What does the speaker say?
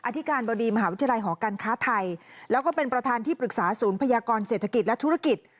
อธิการบดีมหาวิทยาลัยหอการค้าไทยแล้วก็เป็นประธานที่ปรึกษาศูนย์พยากรเศรษฐกิจและธุรกิจ